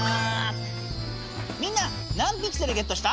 みんな何ピクセルゲットした？